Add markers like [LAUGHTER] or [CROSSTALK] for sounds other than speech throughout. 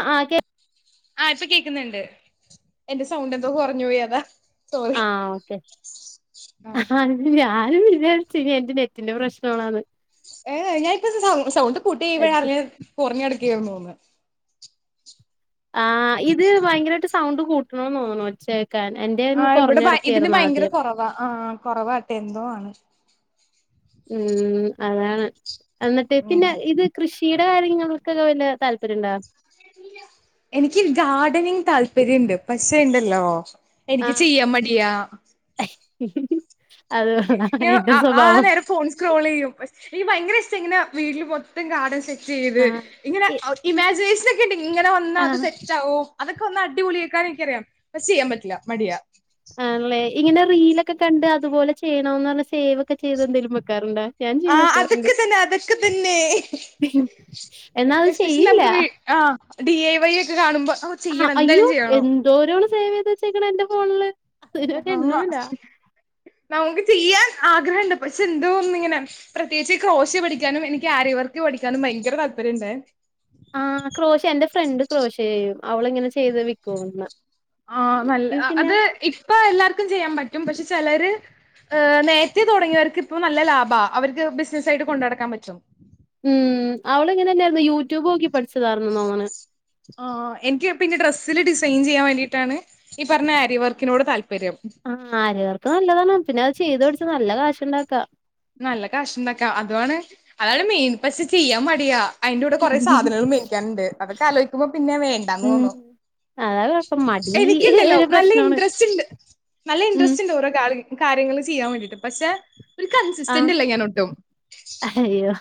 ആഹ് ആക്കെ- ആഹ് ഇപ്പൊ കേൾക്കുന്നുണ്ട് എന്റെ സൗണ്ട് എന്തോ കുറഞ്ഞ് പോയി അതാ സോറി ആഹ് ഓക്കെ ആഹാ ഞാൻ വിചാരിച്ച്നി എന്റെ നെറ്റിന്റെ പ്രശ്നമാന്ന് ഏ്ഞാനിപ്പപ്പോ സ സൗണ്ട് കൂട്ടി ഇ്പഴ അറി കുറഞ്ഞടുക്കുകായിരുന്നുോന്ന് ആഹ് ഇത് ഭയങ്കരമായിട്ട് സൗണ്ട് കൂട്ടണന്ന് തോന്നു ഒച്ചേ ക്കാന് എൻ്റെ ആഹ് ഇവിടെ ഭ ഇതിന് ഭയങ്കര കുറവാ ആ കുറവാട്ടെ എന്തോ ആണ് ഉം അതാണ് എന്നിട്ട് ഉം പിന്നെ ഇത് കൃഷിയുടെ കാര്യങ്ങൾക്ക് വല്ല താല്പര്യംണ്ടോ എനിക്ക് ഗാർഡനിങ് താല്പര്യുണ്ട് പക്ഷണ്ടല്ലോ എനിക്ക് ആഹ് ചെയ്യാൻ മടിയാ അത് കൊള്ളം ആ നേരം ഫോൺ സ്ക്രോൾ ചെയ്യും എനിക്ക് ഭയങ്കര ഇഷ്ടം ഇങ്ങനെ വീട്ടില് മൊത്തം കാർഡൻസ് സെ റ്റ് ചെയ്ത് ആഹ് ഇങ്ങനെ ഇമാജിനേഷൻ ഒക്കെ ഉണ്ട് ഇങ്ങനെ വന്നാൽ അത് ആഹ് സെറ്റ് ഓ അതൊക്കെ ഒന്ന് അടിപൊളിയേക്കാൻ എനിക്കറിയാം പക്ഷെ ചെയ്യാൻ പറ്റില്ല മടിയ ആണ്ല്ലേ ഇങ്ങനെ റീലൊക്കെ കണ്ട് അതുപോലെ ചെയ്യണ സേവ് ഒക്കെ ചെയ്ത് എന്തെങ്കിലും വെക്കാറുണ്ടോ ഞാൻ ചെയ്ത് ആഹ് വെക്കാറുണ്ട് അതൊക്കെ തന്നെ അതൊക്കെ തന്നെ എന്നാ അത് എസ്പെഷ്യലി ചെയ്യില്ല നമുക്ക് വീ ആഹ് ഡി എ വൈ ഒക്കെ കാണുമ്പോ ആഹ് ചെയ്യണം അയ്യോ എന്തായാലും ചെയ്യണം എന്തോരോ സേവ് ചെയ്ത് വെച്ചേക്കണ എന്റെ ഫോണില് അവരെ ആ എണ്ണല്ല നമുക്ക് ചെയ്യാൻ ആഗ്രഹണ്ട് പക്ഷെ എന്തോന്നും ഇങ്ങനെ പ്രത്യേകിച്ച് ക്രോശ് പഠിക്കാനും എനിക്ക് ആരിയവർക്ക് പഠിക്കാനും ഭയങ്കര താല്പര്യംമുണ്ടെ ആ ക്രോശ് എന്റെ ഫ്രണ്ട് ക്രോശ് ചെയ്യും അവള് ഇങ്ങനെ ചെയ്ത് വിൽക്കും ആ നല്ല അത് ഇപ്പൊ എല്ലാർക്കും ചെയ്യാൻ പറ്റും പക്ഷെ ചിലര് ഏഹ് നേരത്തെ തുടങ്ങിയവർക്ക് ഇപ്പ നല്ല ലാഭാ അവർക്ക് ബിസിനസ്സ് ആയിട്ട് കൊണ്ടടക്കാൻ പറ്റും ഉം അവള് ഇങ്ങനെന്നെ ആയിരുന്നു യൂട്യൂബ് നോക്കി പഠിച്ചതായിർന്ന് ആ എനിക്ക് പിന്നെ ഡ്രസ്സില് ഡിസൈൻ ചെയ്യാൻ വേണ്ടിയിട്ടാണ് ഈ പറഞ്ഞ ആര്യവർക്കിനോട് താല്പര്യം ആ ആരിവർക്ക് നല്ലതാണ് പിന്നെ അത് ചെയ്ത് പടിച്ച് നല്ല കാശ് ഇണ്ടാക്കാം നല്ല കാഷ്ണ്ടാക്കാ അതാണ് അതാണ് മെയിൻ പഷെ ചെയ്യാൻ മടിയാ അയിന്റെ കൂടെ കുറേ സാധനങ്ങൾ മേടിക്കാന്ണ്ട് അതൊക്കെ ആലോയിക്കുമ്പോ പിന്നെ വേണ്ടന്ന് ഉം. തോന്നും അതാ കുഴപ്പം. മടി എനിക്കുണ്ടല്ലോ ഒരു നല്ല പ്രശ്നമാണ്. ഇൻട്രസ്റ്റ് ഇണ്ട് നല്ല ഉം. ഇൻട്രസ്റ്റ് ഇണ്ട് ഓരോ കാ കാര്യങ്ങള് ചെയ്യാൻ വേണ്ടിട്ട് പക്ഷെ ഒരു ആ കൺസിസ്റ്റന്റ് അല്ല ഞാൻ ഒട്ടും അയ്യോ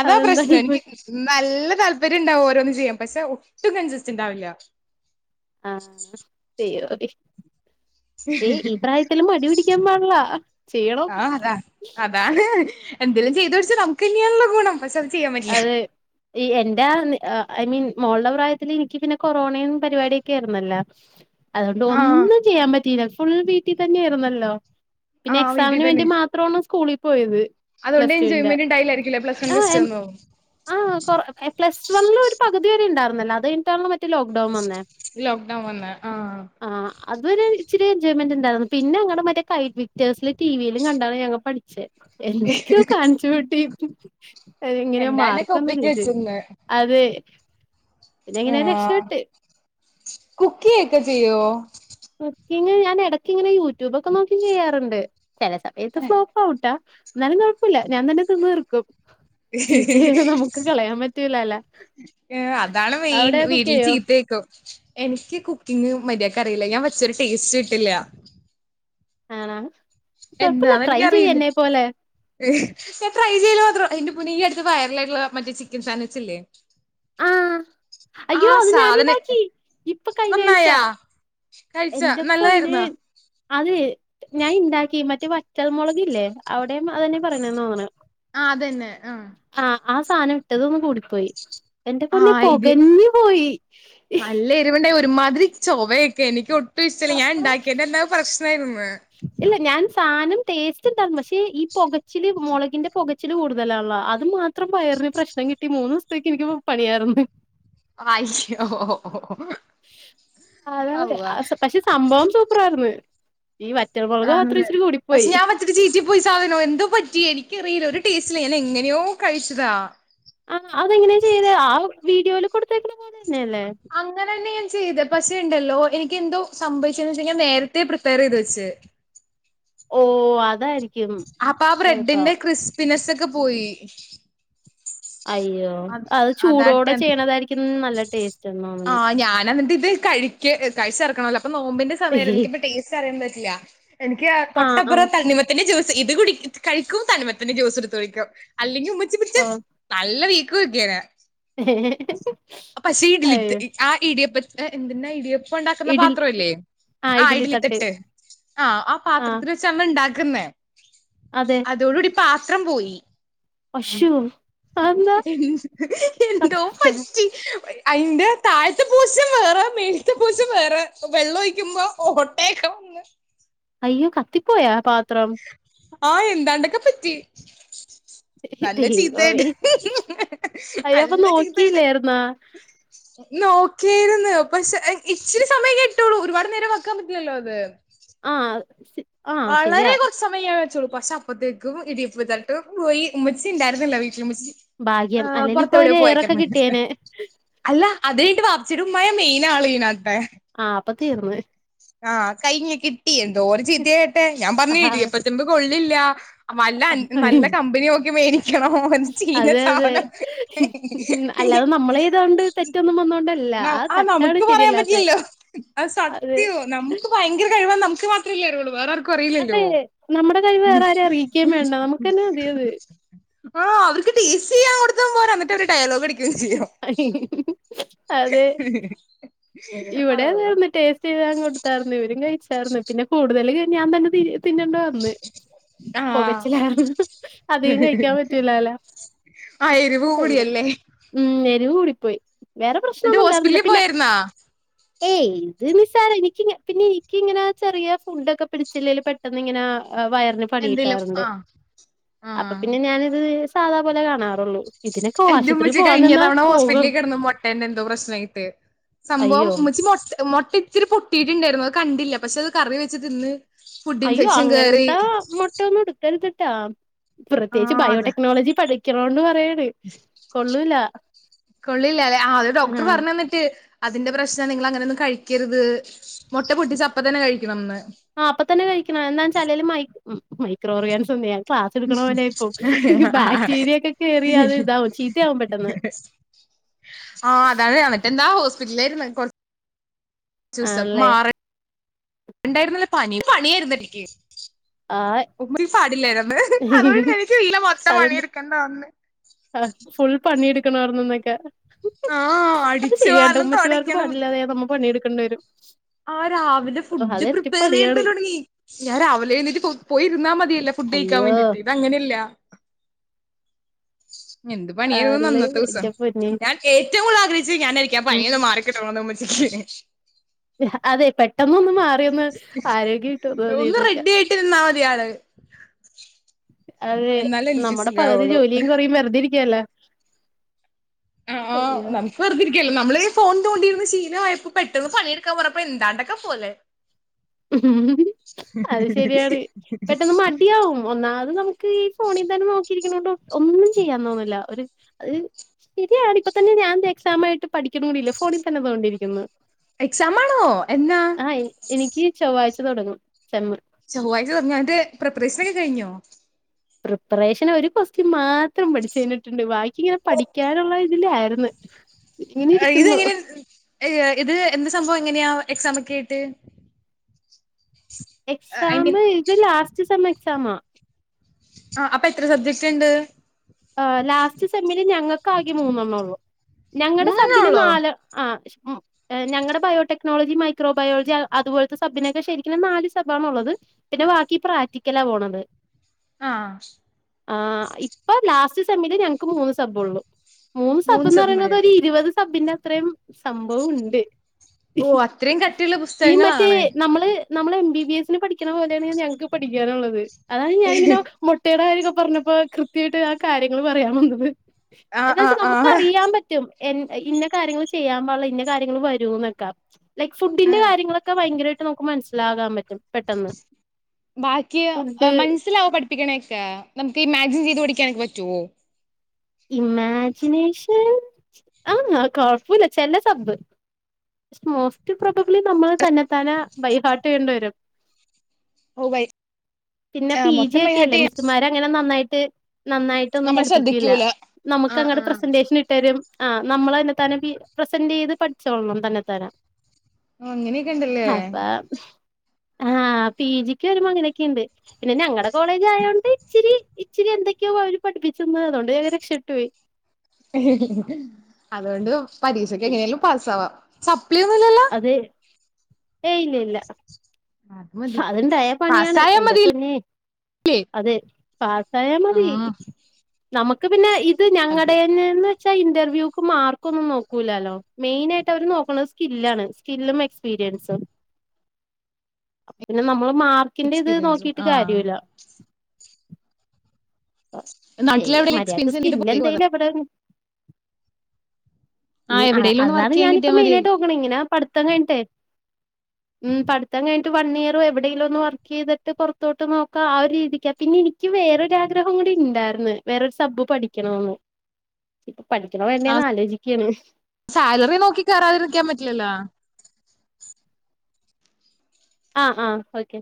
അതാ പ്രശ്നം അതെന്തായിപ്പോയി. എനിക്ക് നല്ല താല്പര്യം ഇണ്ടാവും ഓരോന്നും ചെയ്യാംഅ പക്ഷെ ഒട്ടും കൺസിസ്റ്റന്റ് ആവില്ല ആ ദൈവമേ ഈ പ്രായത്തിലും മടിപിടി ക്കാൻ പാടില്ല ചെയ്യണം. ആഹ് അതാ അതാണ് എന്തേലും ചെയ്തടിച്ച് നമുക്കന്നയാണല്ലോ ഗുണം പക്ഷെ അത് ചെയ്യാൻ പറ്റില്ല അതെ ഈ എന്റെ ഐ മീൻ മോൾട പ്രായത്തില് എനിക്ക് പിന്നെ കൊറോണയും പരിപാടിയൊക്കെ ആയ്ർന്നല്ല അതുകൊണ്ട് ആഹ് ഒന്നും ചെയ്യാൻ പറ്റിയില്ല ഫുൾ വീട്ടി തന്നെയാരുന്നല്ലോ പിന്നെ ആഹ് വീട്ടിൽ എക്സാമിന് വേണ്ടി മാത്രാണ് സ്കൂളിൽ പോയത് അതൊണ്ട് പ്ലസ് ടുവിന്റെ എൻജോയ്മെന്റ് ഇണ്ടായില്ലാരിക്കും പ്ലസ് വൺ ആ പ്ലസ് ടു ഒന്നും ആ കൊ പ്ലസ് വണ്ണിൽ ഒരു പകുതി വരെ ഇണ്ടായിരുന്നില്ലോ അത് ഇന്റേർണൽ മറ്റേ ലോക്ക്ഡൌൺ വന്നേ ലോക് ഡൗൺ വന്നേ ആഹ് ആഹ് അത് വരെ ഇച്ചിരി എൻജോയ്മെന്റ് ഇണ്ടായിരുന്നു പിന്നെ അങ്ങടെ മറ്റെ കയ് [UNINTELLIGIBLE] ടിവിയിലും കണ്ടാണ് ഞങ്ങ പഠിച്ചെ എന്തൊക്കെയോ കാണിച്ചൂട്ടി ഇങ്ങനെ എന്താണ്ടൊക്കെ മാർക്കൊന്നും ഒപ്പിച്ച് ഇല്ലേ വെച്ചിന്ന് അതേ ആഹ് കുക്കിംഗ് ഒക്കെ ചെയ്യോ ക്കിങ്ങ് ഞാൻ എടക്കിങ്ങനെ യൂട്യൂബൊക്കെ നോക്കി ചെയ്യാറുണ്ട് ചില സമയത്ത് ഫ്ലോ ട്ടാ എന്നാലും കുഴപ്പില്ല ഞാൻ തന്നെ തിന്ന് തിർക്കും ചീത്ത [UNINTELLIGIBLE] നമുക്ക് കളയാൻ പറ്റൂലല്ല ഏഹ് അതാണ് മെയിൻ അവിടെ കുക്ക് വീട്ടില് ചെയ്യോ ചീത്തേക്കും എനിക്ക് കുക്കിംഗ് മര്യാക്ക് അറിയില്ല ഞാൻ വച്ചൊരു ടേസ്റ്റ് കിട്ടില്ല ആണാ കൊഴപ്പില്ല എന്താന്ന് ട്രൈ ചെയ്യ എനിക്കറിയില്ല എന്നെ പോലെ ഞാൻ ട്രൈ ചെയ്യല് മാത്രം എന്റെ പൊന്നെ ഈ അടുത്ത് വൈറൽ ആയിട്ടുള്ള മറ്റ് ചിക്കൻ സാൻവിച്ചില്ലേ ആഹ് അയ്യോ അത് സാധന ഞാനിണ്ടാക്കി ഇപ്പൊ കഴിഞ്ഞാഴ്ച നന്നായാ കഴിച്ചാ എന്റെ പൊന്നേ നല്ലതായിരുന്നോ അതെ ഞാൻ ഇണ്ടാക്കി മറ്റേ വറ്റൽ മുളകില്ലേ അവിടെയും അതന്നെ പറയണത് തോന്നണത് ആഹ് അതന്നെ ആഹ് ആഹ് ആ സാധനം ഇട്ടതൊന്ന് കൂടിപ്പോയി എന്റെ പൊന്നേ ആഹ് പൊകഞ്ഞു പോയി വണ്ടേ ഒരുമാതിരി ചൊവയൊക്കെ എനിക്ക് ഒട്ടും ഇഷ്ടല്ല ഞാൻ ആ ഇണ്ടാക്കിയേൻ്റന്ന പ്രശ്ന ആയിര്ന്ന് ഇല്ല ഞാൻ സാനം ടേസ്റ്റ് ഇണ്ടാരുന്നു പക്ഷെ ഈ പൊകച്ചില് മുളകിന്റെ പൊകച്ചില് കൂടുതലാണ്ല്ല അത് മാ ത്രം പയറിന് പ്രശ്നം കിട്ടി മൂന്നു ദിവസത്തേക്ക് എനിക്ക് പണിയാരുന്നു അയ് ശോ [UNINTELLIGIBLE] പക്ഷെ സംഭവം സൂപ്പറായിരുന്നു ഈ വറ്റൽമുളക് മാത്രം ആണല്ലേ ഇച്ചിരി കൂടിപ്പോയി [UNINTELLIGIBLE] ചീറ്റി പോയി സാധനോ എന്തോ പറ്റി എനിക്കറിയില്ല ഒരു ടേസ്റ്റില്ല ഞാൻ എങ്ങനെയോ കഴിച്ചതാ ആഹ് അതെങ്ങനെയാ ചെയ്തേ ആ വീഡിയോയില് കൊടുത്തേക്കുന്ന പോലെ തന്നെയല്ലേ അങ്ങനെ തന്നെ ഞാൻ ചെയ്തേ പക്ഷെ ഇണ്ടല്ലോ എനിക്ക് എന്തോ സംഭവിച്ചേന്ന് വെച്ച് കഴിഞ്ഞാൽ നേരത്തെ പ്രിപ്പയർ ചെയ്ത് വെച്ച് ഓഹ് അതായിരി അപ്പൊ ആ ബ്രെഡിന്റെ ക്രിസ്പിനസ്സെക്കെ പോയി അയ്യോ അ അത് ചൂടോടെ അതാട്ടെ ചെയ്യണതായിരിക്കും നല്ല ടേസ്റ്റന്ന് തോന്നണ് ഞാനെന്നിട്ട് ഇത് കഴി ക്ക് കഴിച്ചെറക്കണല്ലോ അപ്പൊ നോമ്പിന്റെ സമയത്ത് എനിക്കിപ്പ ടേസ്റ്ററിയാൻ പറ്റില്ല എനിക്ക് ആ ആ തൊട്ടപ്പുറ തണ്ണിമത്തന്റെ ജ്യൂസ് ഇത് കുടി കഴിക്കും തണ്ണിമത്തന്റെ ജ്യൂസ് എടുത്ത് കഴിക്കും അല്ലെങ്കി ഉമ്മ ആഹ് നല്ല വീക്ക് വിക്കിയനെ പക്ഷേ അയ്യോ [UNINTELLIGIBLE] ആ ഇടിയപ്പ ഏഹ് എന്തിന്റെ ആ ഇടിയ പ്പം ഉണ്ടാക്കുന്ന ഇഡ്ലി പാത്രമില്ലേ ആ ആഹ് ഇഡ്ലി ഇഡ്ഡലി തട്ട് ആഹ് ആ പത്രത്തില് [UNINTELLIGIBLE] ഉണ്ടാക്കുന്നേ അതെ അതോടു കൂടി പാത്രം പോയി അശ്ശൊ അതെന്താ എന്തോ പറ്റി ഉ അതിന്റെ താഴത്തെ പോർഷൻ വേറെ മേലത്തെ പോർഷൻ വേറെ വെള്ളം ഒഴിക്കുമ്പോ ഓട്ടയക്കെ അയ്യോ കത്തിപ്പോയാ പാത്രം ആഹ് എന്താണ്ടക്കെ പറ്റി നല്ല ചീത്തയായിട്ട് ദൈവമേ അയ്യോ അപ്പം നല്ല നോക്കിയില്ലേർന്നാ നോക്കേയ്രുന്നു പശേ ആഹ് ഇച്ചിരി സമയം കിട്ടുള്ളൂ ഒരുപാട് നേരം വെക്കാൻ പറ്റില്ലല്ലോ അത് ആഹ് സി വളരെ കൊറച്ച് [UNINTELLIGIBLE] സമയേ ഞാൻ വെച്ചോളൂ പക്ഷെ അപ്പത്തേക്കും ഇടിയപ്പ തട്ട് പോയി ഉമ്മിച്ചി ഉണ്ടായിരുന്നില്ല വീട്ടില് ഉമ്മച്ചി ഭാഗ്യം ആഹ് അല്ലേല് ഇപ്പൊ പൊറത്തെവിടെ ഒരു എയറൊക്കെ പോയേക്കേർന്ന് കിട്ടിയേനെ അല്ല അത് കഴിഞ്ഞിട്ട് വാപ്പച്ചീടെ ഉമ്മയാ മെയിൻ ആള് ഇതിനകത്തെ ആഹ് അപ്പ തീർന്ന് ആഹ് കഴിഞ്ഞ് കിട്ടി എന്തോരം ചീത്തയ കേട്ടെ ഞാൻ പറഞ്ഞു ആഹ് ഇടിയപ്പത്തിന്റെ കൊള്ളില്ല [UNINTELLIGIBLE] നല്ല കമ്പനി നോക്കി മേടിക്കണം ഒരു ചീന അതെ അതെ സാധനം അല്ലാതെ നമ്മളെയ്തൊണ്ട് തെറ്റൊന്നും വന്നൊണ്ടല്ല അ ആഹ് നമുക്ക് പറയാൻ പറ്റില്ലല്ലോ അത് അതെ സത്യോ നമുക്ക് ഭയങ്കര കഴിവാ നമുക്ക് വ [UNINTELLIGIBLE] അറിയുള്ളൂ വേറെ ആർക്കും അറിയില്ലല്ലോ അതെ നമ്മുടെ കഴിവ് വേറെ ആരേം അറിയിക്കേം വേണ്ട നമുക്കന്നെ മതിയത് ആഹ് അവർക്ക് ടേസ്റ്റ് ചെയ്യാൻ കൊടുത്തതും പോര എന്നിട്ട് അവര് ഡയലോഗടി അതെ ഇവിടേം അള്ളാ അങ്ങനന്നേ ടേസ് സ്റ്റ് ചെയ്യാൻ കൊടുത്താരുന്നു ഇവരും കഴിച്ചായിരുന്നു പിന്നെ കൂടുതല് ഞാൻ തന്നെ തി തിന്നണ്ടി വന്ന് ആഹ് പുകച്ചില് കാരണം അധികം കഴിക്കാൻ പറ്റൂലാല്ല. ആഹ് എരിവ് കൂടിയല്ലേ ഉം എരിവ് കൂടിപ്പോയി വേറെ എന്നിട്ട് പ്രശ്നൊന്നും ഉണ്ടായിരുന്നില്ല ഹോസ്പിറ്റലിൽ പിന്ന പോയാരുന്നാ ഏയ് ഇത് നിസാരം എനിക്കിങ്ങ പിന്നെ എനിക്കിങ്ങന ചെറിയ ഫുഡക്കെ പിടിച്ചില്ലേല് പെട്ടന്നിങ്ങന വയറിന് എന്തേലും പണിക്കിട്ടാറുണ്ട് ആഹ് അപ്പൊ ആഹ് പിന്നെ ഞാനിത് സാധാ പോലെ കാണാറുള്ളു. ഇതിനൊക്ക എന്റെ ആശു ഉമ്മച്ചി കഴിഞ്ഞ തവണ ഹോസ്പിറ്റലി കിടന് മൊട്ടേന്റ എന്തോ പ്രശ്നയിട്ട് സംഭവം അയ്യോ ഉമ്മച്ചി മ മുട്ട ഇത്തിരി പൊട്ടിയിട്ടുണ്ടായിരുന്നു അത് കണ്ടില്ല പക്ഷെ അത് കറി വെച്ച് തിന്ന്. ഫുഡ് അയ്യോ ഇൻഫെക്ഷൻ കേറി അങ്ങനത്തെ മുട്ട ഒന്നും എടുക്കരുത്ട്ടാ പ്രത്യേകിച്ച് ആഹ് അതെ ബയോടെക്നോളജി പഠിക്കണണ്ട് പറയാണ് കൊള്ളൂല കൊള്ളില്ല അല്ലെ ആത് ഡോക്ടർ ആഹ് പറഞ്ഞു തന്നി അതിന്റെ പ്രശ്ന നിങ്ങളങ്ങനെയന്നും കഴിക്കരുത് മുട്ട പൊട്ടിച്ചപ്പതന്നെ കഴിക്കണംന്ന് ആഹ് അപ്പ തന്നെ കഴിക്കണം എന്താന്ന് വച്ചാൽ അല്ലേല് മൈ മൈക്രോ ഓർഗാൻസ് എന്ന് ഞാൻ ക്ലാസ് എടുക്കണ പോലെയിരിക്കും ഈ ബാക്ടീരിയക്കെ കയറിയത് ഇതാവും ചീത്തയാകും പെട്ടെന്ന് ആഹ് അതാണ് മറ്റെന്താ ഹോസ്പിറ്റലായിരുന് കൊർ ആണല്ലേ ചുസമാറ ഉണ്ടായിരുന്നല്ല പനി പണിയായിരുന്നെനിക് ആഹ് ഉമ്മ പാടില്ലായിരുന്നു അതുകൊണ്ട് എനിക്ക് വീട്ടല് മൊത്തം പണിയെടുക്കേണ്ട വന്ന്. ആ ഫുൾ പണിയെടുക്കണമായിരുന്നന്നക്കെ ആഹ് അത് അടിച്ചു ശരിയട്ട വാരണം ഉമ്മച്ചിമാർക്ക് തൊടക്കണം പാടില്ലാതെയ നമ്മൾ പണിയെടുക്കേണ്ടി വരും. ആ രാവിലെ ഫുഡ് അതെരട്ടി പ്രിപ്പയർ പണിയാണ് ചെയല്തുടങ്ങി ഞാൻ രാവിലെ എഴുന്നീറ്റ് പോയിരുന്നാ മതിയല്ല ഫുഡ് കഴിക്കാൻ അയ്യോ വേണ്ടീട്ട് ഇത് അങ്ങനെയല്ല എന്ത് പണിയായിരുന്നുന്ന് അള്ളേ അന്നത്തെ ദിവസം എന്റെ പൊന്നേ ഞാൻ ഏറ്റവും കൂടുതൽ ആഗഹിച്ചു ഞാനായിരിക്കാ ഉം പനിയൊന്ന് മാറി. കിട്ടണന്ന് ഉമ്മച്ചിക്ക് അതെ പെട്ടെന്ന് ഒന്ന് മാറിയൊന്ന് ആരോഗ്യയിട്ട് ഒന്ന് വന്നീന്നക്ക റെഡി ആയിട്ട് നിന്നാ മതി ആള് അതെ എന്നാലേ എനിക്ക് നമ്മുടെ പകുതി സുഖാവുള്ളൂ ജോലിയും കുറയും വെറുതെ ഇരിക്കല്ല ആഹ് ആഹ് നമ വെറുതിരിക്കല്ല നമ്മളീ ഫോൺ തോണ്ടിരുന്ന ശീമായപ്പോ പെട്ടെന്ന് പണിയെടുക്കാൻ പറഞ്ഞപ്പോ എന്താണ്ടൊക്കെ പോലെ അത് ശരിയാണ് പെട്ടെന്ന് മടിയവും ഒന്നാമത് നമുക്ക് ഈ ഫോണിൽ തന്നെ നോക്കിയിരിക്കണണ്ട് ഒന്നും ചെയ്യാൻ തോന്നില്ല ഒരു ശരിയാണ് ഇപ്പതന്നെ ഞാൻ ഇതാ എക്സാമായിട്ട് പഠിക്കണ കൂടില്ല ഫോണിൽ തന്നെതോണ്ടിരിക്കുന്നു എക്സാമാണോ എന്ന എനിക്ക് ചൊവ്വാഴ്ച തുടങ്ങും എക്സാമ് ചൊവ്വാഴ്ച തുടങ്ങണതിന്റെ പ്രിപ്പറേഷനൊക്കെ കഴിഞ്ഞോ പ്രിപ്പറേഷൻ ഒരു കൊക്സ്റ്റൻ മാത്രം പഠിച്ചു കഴിഞ്ഞിട്ടുണ്ട് ബാക്കി ഇങ്ങനെ പഠിക്കാനുള്ള ഇതിലായിരുന്നു ഉം ഇത് എങ്ങനെ ഇത് എന്ത് സംഭവം എങ്ങനെയാ എക്സാമക്കെ ആയിട്ട് ഐ എക്സാം മീൻ ഇത് ലാസ്റ്റ് സെ മമ്എക്സാമ ആ അപ്പൊ എത്ര സബ്ജക്ട് ഉണ്ട്. ആ ലാസ്റ്റ് സെമില് ഞങ്ങൾക്കാകെ മൂന്നെണ്ണള്ളൂ ഞങ്ങളുടെ മൂന്നെണ്ണേ സബിന് ഉള്ളോ നാല്. ആഹ് ഞങ്ങടെ ബയോടെക്നോളജി മൈക്രോ ബയോളജി അതുപോലത്തെ സബിനെക്കെ ശരിക്കും നാല് സബാണള്ളത് പിന്നെ ബാക്കി പ്രാക്റ്റിക്കലാ പോണത് ആഹ് ആ ഹ് ഇപ്പൊ ലാസ്റ്റ് സെമ്മില് ഞങ്ങക്ക് മൂന്ന് സബ്ള്ളു മൂന്ന് സബന്ന് സബ്ജക്ട് പറയുന്നത് ഒരു ഉള്ളൂ ഇരുപത് സബിന്റെ അത്രയും സംഭവം ഉണ്ട് ഓ അത്രയും കട്ടിയുള്ള ഈ മറ്റേ പുസ്തകങ്ങളാണ് നമ്മള് നമ്മള് എം ബി ബി എസിന് പഠിക്കണ പോലെയാണ് ഞങ്ങക്ക് പഠിക്കാനുള്ളത് അതാണ് ഞാനിങ്ങനെ മുട്ടയുടെ കാര്യക്കെ പറഞ്ഞപ്പോ കൃത്യമായിട്ട് ആ കാര്യങ്ങള് പറയാൻ വന്നത് ആ ആ എന്താവെച്ചാ ആ നമുക്ക് അറിയാൻ പറ്റും എ ഇന്ന കാര്യങ്ങള് ചെയ്യാൻ പാടില്ല ഇന്ന കാര്യങ്ങൾ വരൂന്നൊക്കെ ആ ഫുഡിന്റെ കാര്യങ്ങള് ഒക്കെ ഭയങ്കരായിട്ട് നമ്മുക്ക് മനസ്സിലാകാൻ പറ്റും പെട്ടെന്ന് ബാക്കിയൊ ഫുഡ് മനസ്സിലാവോ പഠി പിക്കണക്കെ നമ്മുക്ക് ഈ ഇമാജിൻ ചെയ്ത് പഠിക്കാനൊക്കെ പറ്റോ ഇമാജിനേഷൻ ആഹ് കുഴപ്പില്ല ചില സബ് മോസ്റ്റ് പ്രൊബബ്ലി നമ്മൾ തന്നെ താനെ ബൈഹാർട്ട് ചെയ്യണ്ട വരും ഓ ബൈ പിന്നെ ആ, പി ജി മൊത്തം ബൈ ഒക്കെല്ലേ ഹാർട്ട് മിസ്സുമാരങ്ങനെ നന്നായിട്ട് നന്നായിട്ടൊന്നും നമ്മൾ പഠിപ്പിക്കൂല്ല ശ്രദ്ധിക്കൂല ആ ആ നമ്മുക്കങ്ങട്ട് പ്രസന്റേഷൻ ഇട്ട്തരും ആഹ് നമ്മള് തന്നെത്താനെ പി പ്രസന്റ് ചെയ്ത് പഠി ചോളണം തന്നെതാനെ ആ, അങ്ങനെയൊക്കെ ഉണ്ടല്ലേ അപ്പം ആഹ് പി ജിക്ക് വരുമ്പോ അങ്ങനൊക്കെയുണ്ട് പിന്നെ ഞങ്ങളെ കോളേജ് ആയോണ്ട് ഇച്ചിരി ഇച്ചിരി എന്തൊക്കെയൊ അവര് പഠിപ്പിച്ചന്ന് അതു കൊണ്ട് വേഗം രക്ഷപ്പെട്ടുപ്പോയി അതുകൊണ്ട് പരീക്ഷക്കെങ്ങനേലും പാസ്സാവാ സപ്ലിയൊന്നുല്ലല്ലോ അതെ ഏഹ് ഇല്ലില്ല അത് മതി അത്ണ്ടായ പണിയാണ് പാസ്സായാ എന്റെ മതില്ലേ പൊന്നേ അതെ പാസായാമതി ആഹ് നമ്മുക്ക് പിന്നെ ഇത് അതെ ഞങ്ങളേടെന്നേന്ന് പക്ഷെ ഇന്റർവ്യൂക്ക് മാർക്കൊന്നും നോക്കൂലാല്ലോ മെയിനായിട്ട് അവര് നോക്കണത് സ്കില്ലാണ് സ്കില്ലും എക്സ്പീരിയൻസും അപ്പൊപിന്നെ നമ്മള് മാർക്കിന്റെ ഇത് എക്സ്പീരിയൻസും നോക്കീട്ട് ആഹ് കാര്യമില്ല നാട്ടിലെ ചെയ്യ എവിടെലും മര്യാദിക്ക് എക്സ്പീരിയൻസ് കിട്ടിട്ട് സ്കില്ല് പുറത്തേക്ക് പോകാ എന്തേലും അവിടെ ഉം ആഹ് എവിടെലും ഒന്ന് അതാണ് വർക്ക് ചെയ്യാൻ ഞാനിപ്പോ കിട്ടിയാൽ മതി മെയിനായിട്ട് നോക്കണെ ഇങ്ങനെ പഠിത്തം കഴിഞ്ഞിട്ടെ ഉം പഠിത്തം കഴിഞ്ഞിട്ട് വൺ ഇയർ എവിടേലും ഒന്ന് വർക്ക് ചെയ്തിട്ട് പുറത്തോട്ട് നോക്കാം ആ ഒരു രീതിക്കാ പിന്നെ എനി എനിക്ക് വേറൊരാഗ്രഹം കൂടി ഉണ്ടായിരുന്ന് വേറൊരു സബ്ബ് പഠിക്കണൂന്ന് ഇപ്പൊ പഠിക്കണൊ ആഹ് വേണ്ടേന്ന് ആലോചിക്കയാണ് സാലറി നോക്കി കേറാതിരിക്കാൻ പറ്റില്ലല്ലാ ആഹ് ആഹ് ഓക്കെ